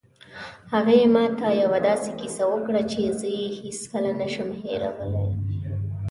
هغې ما ته یوه داسې کیسه وکړه چې زه یې هېڅکله نه شم هیرولی